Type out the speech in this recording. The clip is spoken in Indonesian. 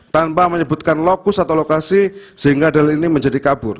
tanpa menyebutkan lokus atau lokasi sehingga dalil ini menjadi kabur